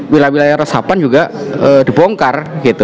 wilayah wilayah resapan juga dibongkar